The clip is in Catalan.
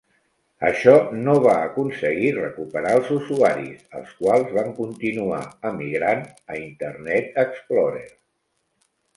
Això no va aconseguir recuperar els usuaris, els quals van continuar emigrant a Internet Explorer.